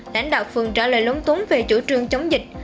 lãnh đạo phường trả lời lúng túng về chủ trương chống dịch